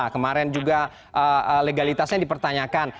kemarin juga legalitasnya dipertanyakan